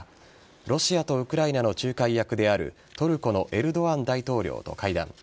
ロシアとウクライナの仲介役であるトルコのエルドアン大統領と会談